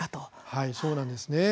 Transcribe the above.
はい、そうなんですね。